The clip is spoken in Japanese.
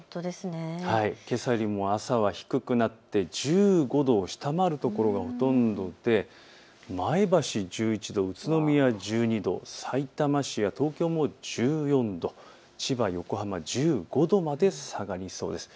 けさよりも朝は低くなって１５度を下回る所がほとんどで前橋１１度、宇都宮１２度、さいたま市や東京も１４度、千葉、横浜１５度まで下がりそうです。